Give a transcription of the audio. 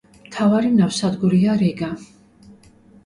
მთავარი ნავსადგურია რიგა.